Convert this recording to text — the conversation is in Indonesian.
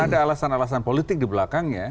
ada alasan alasan politik di belakangnya